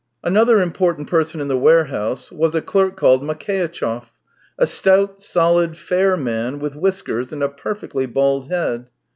Another important person in the warehouse was a clerk called Makeitchev — a stout, solid, fair man with whiskers and a perfectly bald head.